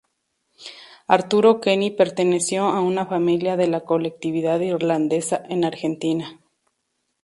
Arturo Kenny perteneció a una familia de la colectividad irlandesa en Argentina.